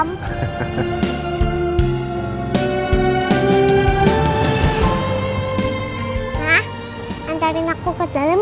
nah antarin aku ke dalam ya